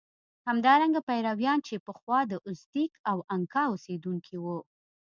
همدارنګه پیرویان چې پخوا د ازتېک او انکا اوسېدونکي وو.